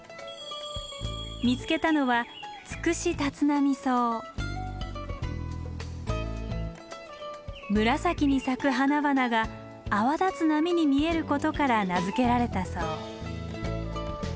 見つけたのは紫に咲く花々が泡立つ波に見えることから名付けられたそう。